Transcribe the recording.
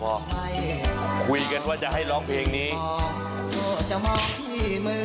ปากปะกงน้ำของขึ้นลุงใจ